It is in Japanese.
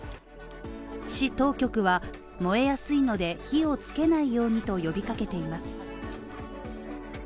市当局は燃えやすいので、火をつけないようにと呼びかけています。